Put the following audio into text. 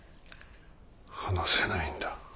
話せないんだ。